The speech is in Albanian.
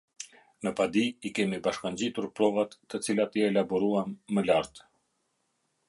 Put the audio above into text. Në padi i kemi bashkangjitur provat te cilat i elaboruam më lartë.